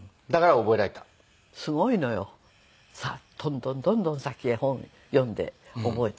どんどんどんどん先へ本読んで覚えて。